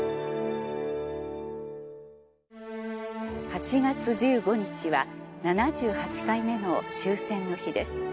８月１５日は７８回目の終戦の日です。